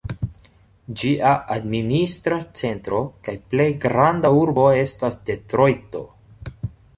Ĝia administra centro kaj plej granda urbo estas Detrojto.